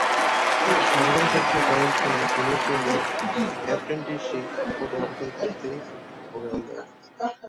আবেদন প্রক্রিয়াগ্রামীণফোনে junior trainee apprenticeship পদে আবেদন করতে হবে অনলাইনে।